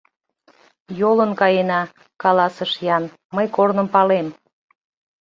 — Йолын каена, — каласыш Ян, — мый корным палем.